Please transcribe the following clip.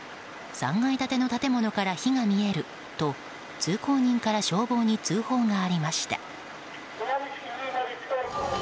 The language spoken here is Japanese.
３階建ての建物から火が見えると通行人から消防に通報がありました。